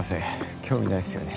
興味ないっすよね。